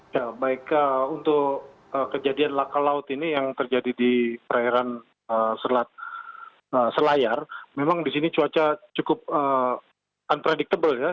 ya baik untuk kejadian laka laut ini yang terjadi di perairan selat selayar memang di sini cuaca cukup unpredictable ya